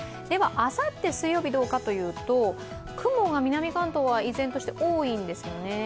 では、あさって水曜日、どうかというと、雲が南関東は依然として多いんですよね。